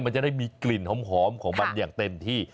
มันจะได้มีกลิ่นหอมของมันอย่างเต็มที่